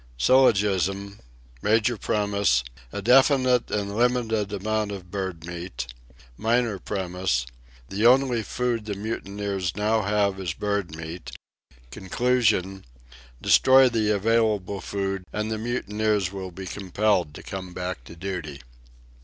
Syllogism: major premise, a definite and limited amount of bird meat; minor premise, the only food the mutineers now have is bird meat; conclusion, destroy the available food and the mutineers will be compelled to come back to duty.